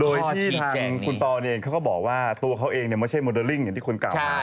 โดยที่ทางคุณปอเองเขาก็บอกว่าตัวเขาเองไม่ใช่โมเดลลิ่งอย่างที่คนกล่าวหา